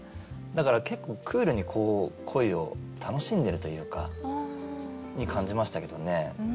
だから結構クールに恋を楽しんでるというか。に感じましたけどね。